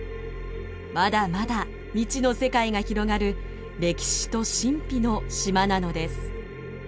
まだまだ未知の世界が広がる歴史と神秘の島なのです。